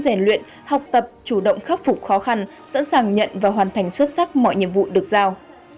rèn luyện học tập chủ động khắc phục khó khăn sẵn sàng nhận và hoàn thành xuất sắc mọi nhiệm vụ được giao